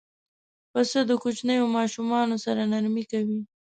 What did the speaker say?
پسه له کوچنیو ماشومانو سره نرمي کوي.